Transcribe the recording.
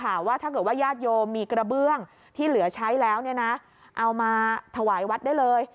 ว่าถ้าเกิดว่าญาติโยมมีกระเบื้องที่เหลือใช้แล้วเนี่ยนะเอามาถวายวัดได้เลย